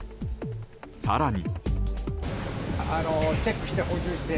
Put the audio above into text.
更に。